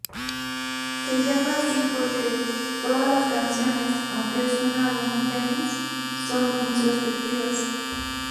Se llama así porque "todas las canciones, aunque es un álbum dance, son introspectivas".